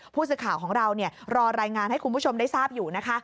ผู้สื่อข่าวของเรารอรายงานให้คุณผู้ชมได้ทราบอยู่นะคะ